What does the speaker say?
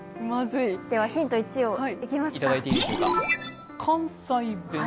ヒント１をいきますか。